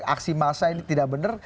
aksi masa ini tidak benar